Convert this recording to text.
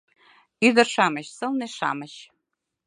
Ӱдыр-шамыч, сылне-шамыч